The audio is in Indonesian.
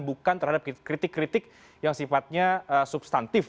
bukan terhadap kritik kritik yang sifatnya substantif